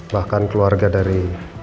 bahkan keluarga dari